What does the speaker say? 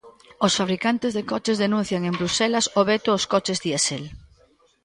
Os fabricantes de coches denuncian en Bruxelas o veto aos coches diésel.